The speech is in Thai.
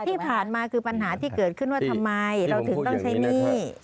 ที่ผ่านมาคือปัญหาที่เกิดขึ้นว่าทำไมเราถึงต้องใช้หนี้